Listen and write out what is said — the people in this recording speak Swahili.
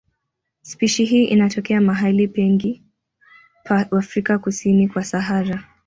Spishi hii inatokea mahali pengi pa Afrika kusini kwa Sahara.